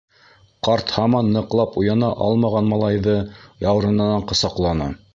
Ҡарт һаман ныҡлап уяна алмаған малайҙы яурынынан ҡосаҡланы: